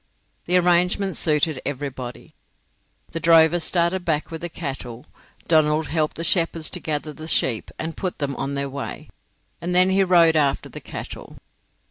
The arrangement suited everybody. The drovers started back with the cattle, Donald helped the shepherds to gather the sheep, and put them on the way, and then he rode after the cattle.